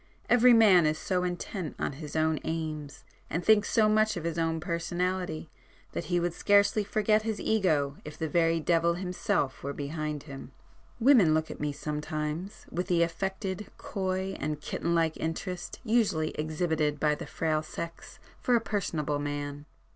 Every man is so intent on his own aims, and thinks so much of his own personality that he would scarcely forget his ego if the very devil himself were behind him. Women look at me sometimes, with the affected coy and kitten like interest usually exhibited by the frail sex for a personable man."